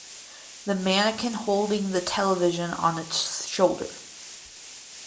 The mannequin holding the television on its shoulder.